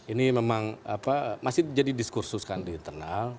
ini memang masih jadi diskursus kan di internal